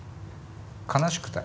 「哀しくて」。